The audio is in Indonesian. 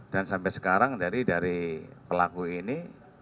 dan sampai sekarang dari pelaku ini